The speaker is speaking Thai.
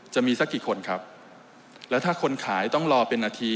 จะมีสักกี่คนครับแล้วถ้าคนขายต้องรอเป็นนาที